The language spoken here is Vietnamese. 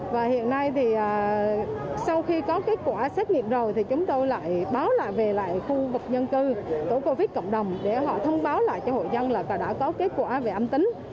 và hiện nay thì sau khi có kết quả xét nghiệm rồi thì chúng tôi lại báo lại về lại khu vực dân cư tổ covid cộng đồng để họ thông báo lại cho hội dân là ta đã có kết quả về âm tính